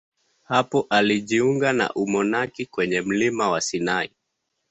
Hapo alijiunga na umonaki kwenye mlima Sinai.